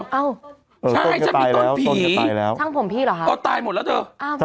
ใช่จะมีต้นผีต้นจะตายแล้วช่างผมพี่เหรอครับอ๋อตายหมดแล้วเถอะ